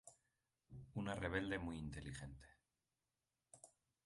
Una rebelde muy inteligente.